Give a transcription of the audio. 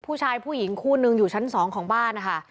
ผู้หญิงคู่นึงอยู่ชั้น๒ของบ้านนะคะ